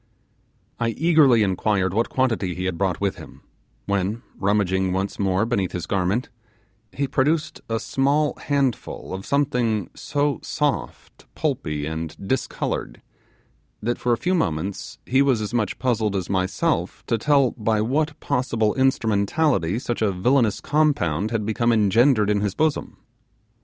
I eagerly inquired what quantity he had brought with him, when rummaging once more beneath his garment, he produced a small handful of something so soft, pulpy, and discoloured, that for a few moments he was as much puzzled as myself to tell by what possible instrumentality such a villainous compound had become engendered in his bosom.